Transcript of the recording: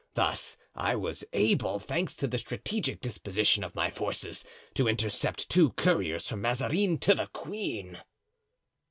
Thus I was able, thanks to the strategic disposition of my forces, to intercept two couriers from Mazarin to the queen."